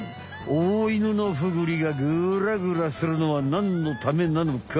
オオイヌノフグリがグラグラするのはなんのためなのか？